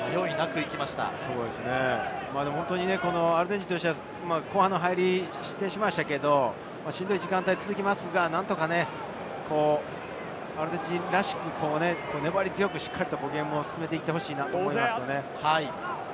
アルゼンチンとしては後半の入り、失点しましたけれど、しんどい時間帯が続きますが、アルゼンチンらしく粘り強くゲームを進めていってほしいと思いますよね。